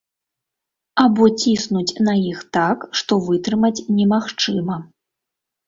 Або ціснуць на іх так, што вытрымаць немагчыма.